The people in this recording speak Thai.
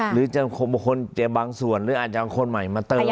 หรือจะบางส่วนหรืออาจจะเอาคนใหม่มาเติม